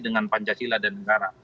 dengan pancasila dan negara